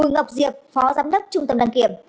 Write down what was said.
ngọc diệp phó giám đốc trung tâm đăng kiểm